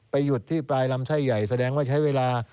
หยุดที่ปลายลำไส้ใหญ่แสดงว่าใช้เวลา